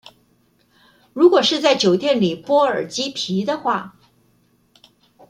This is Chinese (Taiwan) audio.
如果是在酒店裡剝耳機皮的話